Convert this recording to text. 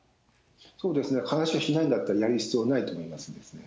そうですね、話をしないんだったら、やる必要はないと思いますね。